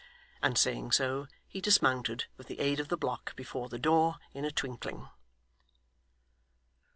And saying so, he dismounted, with the aid of the block before the door, in a twinkling.